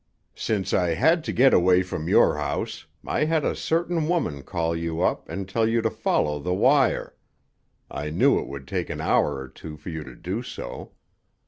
"Since I had to get away from your house, I had a certain woman call you up and tell you to follow the wire. I knew it would take an hour or two for you to do so.